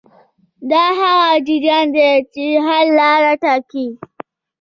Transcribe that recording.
دا هغه جریان دی چې حل لاره ټاکي.